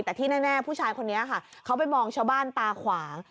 แต่ที่แน่ผู้ชายคนนี้ค่ะเขาไปมองชาวบ้านตาขวาง